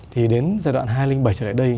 thì đến giai đoạn hai nghìn bảy trở lại đây